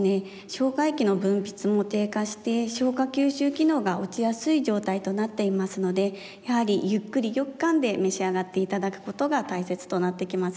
消化液の分泌も低下して消化吸収機能が落ちやすい状態となっていますのでやはりゆっくりよくかんで召し上がって頂くことが大切となってきます。